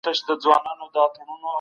د بښنې او تېرېدنې صفت پیدا کړئ.